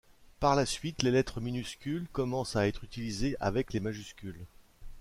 Par la suite, les lettres minuscules commencent à être utilisées avec les majuscules.